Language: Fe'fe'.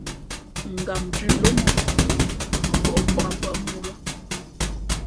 Gam dhʉ̄ lóm ǒ mα pᾱʼ o pāk pάʼ mōō lά.